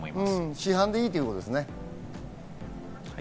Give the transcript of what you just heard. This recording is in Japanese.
市販のものでいいということですね。